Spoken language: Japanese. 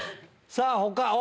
さぁ他！